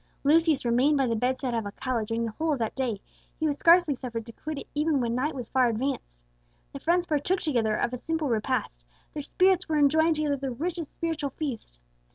Lucius remained by the bedside of Alcala during the whole of that day; he was scarcely suffered to quit it even when night was far advanced. The friends partook together of a simple repast; their spirits were enjoying together the richest spiritual feast.